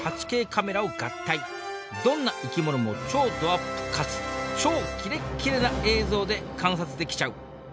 どんな生き物も超どアップかつ超キレッキレな映像で観察できちゃう。